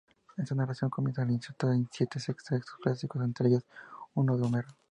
Esta narración comienza al insertar siete textos clásicos, entre ellos uno de Homero.